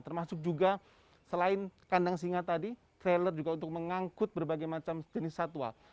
termasuk juga selain kandang singa tadi trailer juga untuk mengangkut berbagai macam jenis satwa